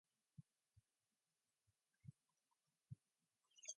He is buried at Mount Olivet Cemetery in Nashville.